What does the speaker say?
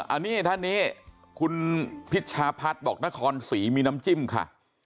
อันนี้ท่านนี้คุณพิชาพัฒน์บอกนครศรีมีน้ำจิ้มค่ะ